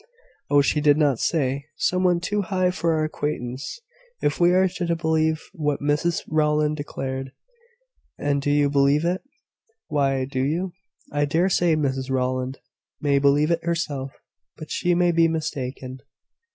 "Oh, she did not say; some one too high for our acquaintance, if we are to believe what Mrs Rowland declared." "And do you believe it?" "Why . Do you?" "I dare say Mrs Rowland may believe it herself; but she may be mistaken."